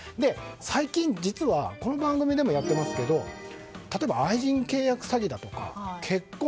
最近実はこの番組でもやっていますけど例えば、愛人契約詐欺だとか結婚